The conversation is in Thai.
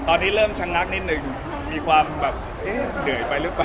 ตอนนี้เริ่มชะงักนิดหนึ่งมีความแบบเอ๊ะเหนื่อยไปหรือเปล่า